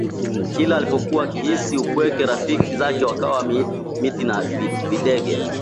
Kila alipokuwa akihisi upweke rafiki zake wakawa miti na videge